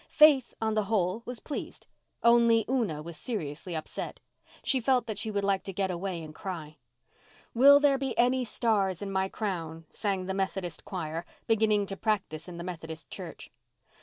Faith, on the whole, was pleased. Only Una was seriously upset. She felt that she would like to get away and cry. "Will there be any stars in my crown?" sang the Methodist choir, beginning to practise in the Methodist church.